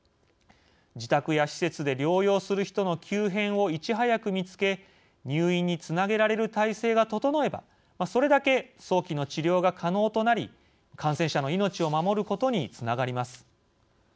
自宅や施設で療養する人の急変をいち早く見つけ入院につなげられる体制が整えばそれだけ早期の治療が可能となり感染者の命を守ることにつながります。